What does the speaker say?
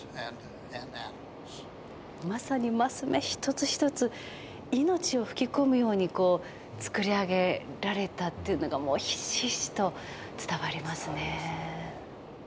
まさに升目一つ一つ命を吹き込むように作り上げられたというのがひしひしと伝わりますね。